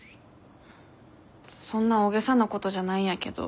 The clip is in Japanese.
そんな大げさなことじゃないんやけど。